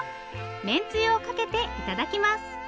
めんつゆをかけて頂きます